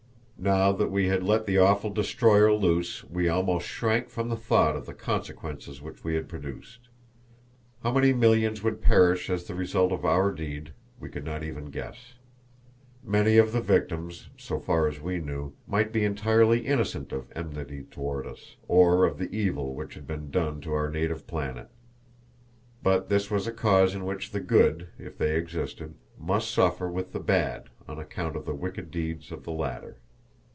Now that we had let the awful destroyer loose we almost shrank from the thought of the consequences which we had produced. How many millions would perish as the result of our deed we could not even guess. Many of the victims, so far as we knew, might be entirely innocent of enmity toward us, or of the evil which had been done to our native planet. But this was a case in which the good if they existed must suffer with the bad on account of the wicked deeds of the latter.